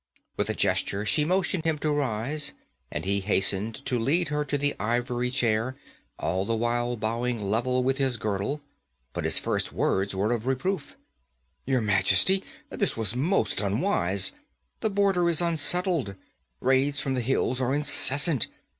With a gesture she motioned him to rise, and he hastened to lead her to the ivory chair, all the while bowing level with his girdle. But his first words were of reproof. 'Your Majesty! This was most unwise! The border is unsettled. Raids from the hills are incessant.